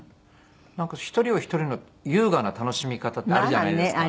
なんか１人は１人の優雅な楽しみ方ってあるじゃないですか。